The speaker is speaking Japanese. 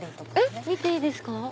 見ていいですか？